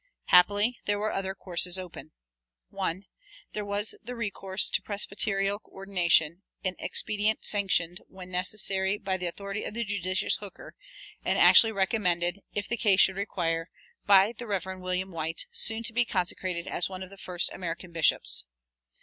Happily there were other courses open. 1. There was the recourse to presbyterial ordination, an expedient sanctioned, when necessary, by the authority of "the judicious Hooker," and actually recommended, if the case should require, by the Rev. William White, soon to be consecrated as one of the first American bishops.